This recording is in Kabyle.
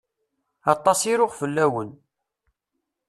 Aṭas i ruɣ fell-awen.